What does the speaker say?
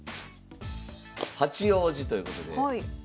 八王子ということで。